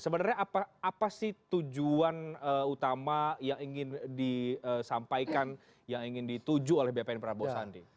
sebenarnya apa sih tujuan utama yang ingin disampaikan yang ingin dituju oleh bpn prabowo sandi